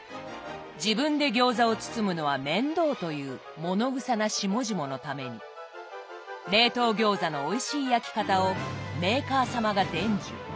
自分で餃子を包むのは面倒というものぐさな下々のために冷凍餃子のおいしい焼き方をメーカー様が伝授。